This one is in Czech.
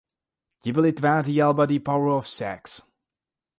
Ti byli tváří alba "The Power of Sex".